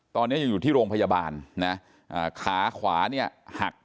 ตอนนี้ยังอยู่ที่โรงพยาบาลนะขาขวาเนี่ยหัก